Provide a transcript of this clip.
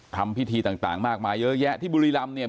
ทำพิธีต่างมากมายเยอะแยะที่บุรีรำเนี่ย